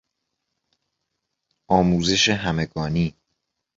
آموزش همگانی